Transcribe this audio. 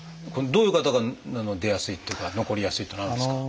どういう方が出やすいっていうか残りやすいっていうのはあるんですか？